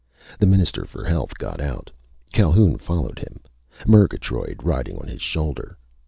The Minister for Health got out. Calhoun followed him, Murgatroyd riding on his shoulder.